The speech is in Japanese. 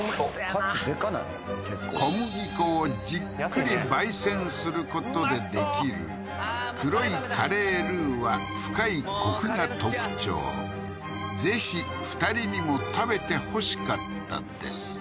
結構小麦粉をじっくりばい煎することでできる黒いカレールウは深いコクが特徴ぜひ２人にも食べてほしかったです